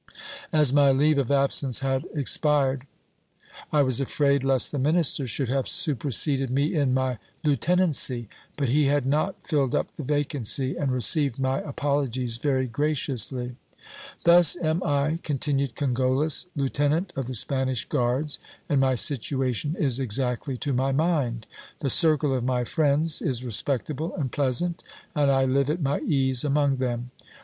As my leave of absence had expired, I was afraid lest the minister should have superseded me in my lieutenancy ; but he had not filled up the vacancy, and received my apologies very graciously. Thus am I, continued Cogollos, lieutenant of the Spanish guards, and my situation is exactly to my mind. The circle of my friends is respectable and pleasant, and I live at my ease among them.